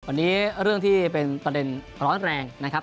วันนี้เรื่องที่เป็นประเด็นร้อนแรงนะครับ